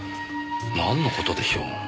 なんの事でしょう？